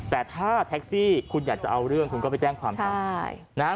แต่ถ้าแท็กซี่คุณอยากจะเอาเรื่องคุณก็ไปแจ้งความทำ